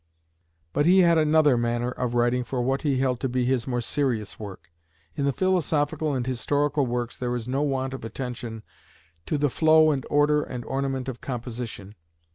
But he had another manner of writing for what he held to be his more serious work. In the philosophical and historical works there is no want of attention to the flow and order and ornament of composition.